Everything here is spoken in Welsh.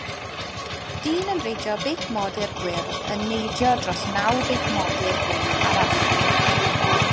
Dyn yn reidio beic modur gwyrdd yn neidio dros naw beic modur gwyrdd arall.